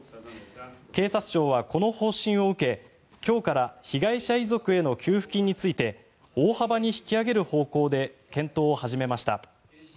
警察庁はこの方針を受け今日から被害者遺族への給付金について大幅に引き上げる方向で検討を始めました。